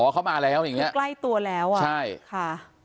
เขามาแล้วอย่างเงี้ใกล้ตัวแล้วอ่ะใช่ค่ะ